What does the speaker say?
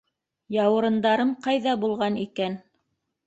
—Яурындарым ҡайҙа булған икән?